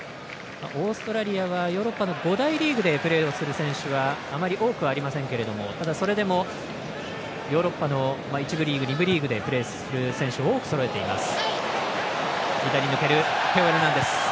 オーストラリアはヨーロッパの５大リーグでプレーする選手はあまり多くはありませんけれどもただ、それでもヨーロッパの１部リーグ、２部リーグでプレーする選手を多くそろえています。